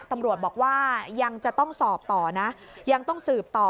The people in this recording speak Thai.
ตำรวจบอกว่ายังจะต้องสอบต่อนะยังต้องสืบต่อ